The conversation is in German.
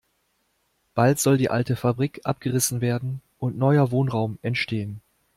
Bald soll die alte Fabrik abgerissen werden und neuer Wohnraum entstehen.